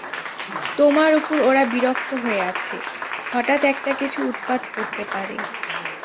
তোমার উপর ওরা বিরক্ত হয়ে আছে, হঠাৎ একটা-কিছু উৎপাত করতে পারে।